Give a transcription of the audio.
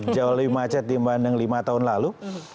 jauh lebih macet dibanding lima tahun lalu